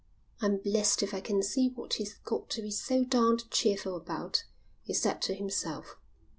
"I'm blest if I can see what he's got to be so darned cheerful about," he said to himself.